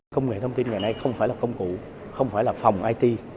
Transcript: công nghệ thông tin ngày nay không phải là công cụ không phải là phòng it